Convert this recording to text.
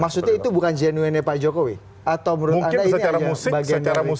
maksudnya itu bukan genuine ya pak jokowi atau menurut anda ini aja